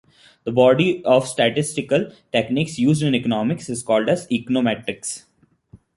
The body of statistical techniques used in economics is called econometrics.